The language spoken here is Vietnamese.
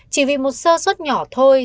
chỉ vì một sơ suất nhỏ thôi